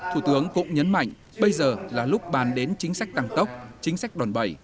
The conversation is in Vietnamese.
thủ tướng cũng nhấn mạnh bây giờ là lúc bàn đến chính sách tăng tốc chính sách đòn bẩy